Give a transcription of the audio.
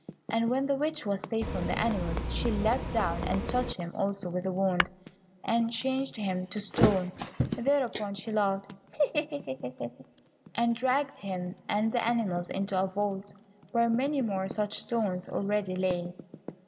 And when the witch was safe from the animals, she leapt down and touched him also with a wand, and changed him to stone. Thereupon she laughed, and dragged him and the animals into a vault, where many more such stones already lay.